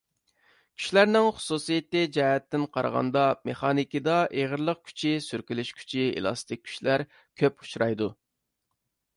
كۈچلەرنىڭ خۇسۇسىيىتى جەھەتتىن قارىغاندا، مېخانىكىدا ئېغىرلىق كۈچى، سۈركىلىش كۈچى، ئېلاستىك كۈچلەر كۆپ ئۇچرايدۇ.